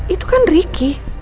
itu kan ricky